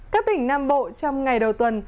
các tỉnh nam bộ trong ngày đầu tuần